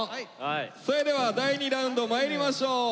それでは第２ラウンドまいりましょう。